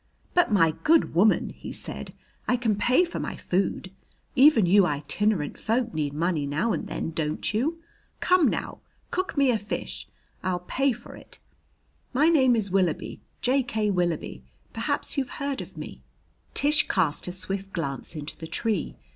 "But, my good woman," he said, "I can pay for my food. Even you itinerant folk need money now and then, don't you? Come, now, cook me a fish; I'll pay for it. My name is Willoughby J.K. Willoughby. Perhaps you've heard of me." Tish cast a swift glance into the tree.